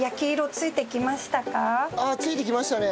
付いてきましたね。